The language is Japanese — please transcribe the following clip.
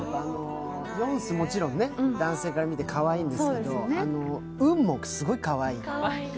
ヨンス、もちろん男性から見てかわいいんですけど、ウンもすごいかわいい。